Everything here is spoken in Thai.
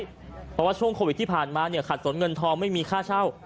เพราะว่าช่วงโควิดที่ผ่านมาเนี่ยขัดสนเงินทองไม่มีค่าเช่า